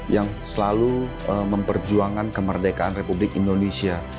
yang selalu memperjuangkan kemerdekaan republik indonesia